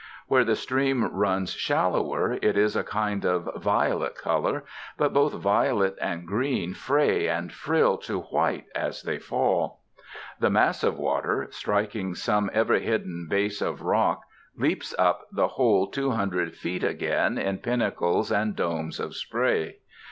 Where the stream runs shallower it is a kind of violet color, but both violet and green fray and frill to white as they fall. The mass of water, striking some ever hidden base of rock, leaps up the whole two hundred feet again in pinnacles and domes of spray.